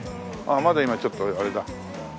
まだ今ちょっとあれだ。